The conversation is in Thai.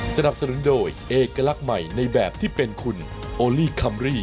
สนับสนุนโดยเอกลักษณ์ใหม่ในแบบที่เป็นคุณโอลี่คัมรี่